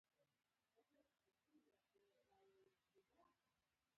د سیارو حرکت اسماني ځواکونه اغېزمنوي.